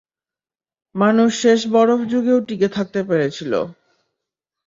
মানুষ শেষ বরফ যুগেও টিকে থাকতে পেরেছিল।